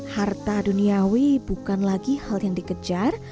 harta duniawi bukan lagi hal yang dikejar